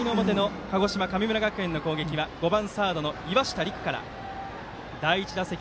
４回の表の鹿児島の神村学園の攻撃は５番、サードの岩下吏玖から。